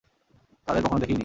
তাদের কখনো দেখিইনি।